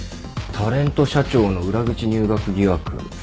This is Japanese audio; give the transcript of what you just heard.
タレント社長の裏口入学疑惑。